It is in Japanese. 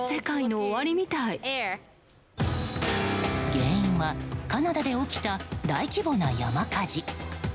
原因はカナダで起きた大規模な山火事。